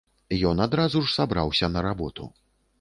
Ён адразу ж сабраўся на работу.